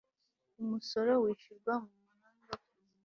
umusoro wishyurwa mu mahanga ku nyungu